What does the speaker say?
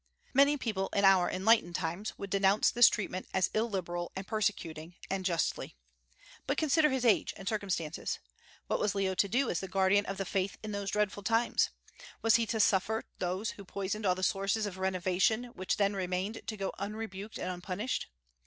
Many people in our enlightened times would denounce this treatment as illiberal and persecuting, and justly. But consider his age and circumstances. What was Leo to do as the guardian of the faith in those dreadful times? Was he to suffer those who poisoned all the sources of renovation which then remained to go unrebuked and unpunished?